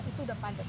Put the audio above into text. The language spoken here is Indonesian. itu sudah padat